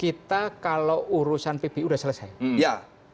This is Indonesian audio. kita kalau urusan pbi udah selesai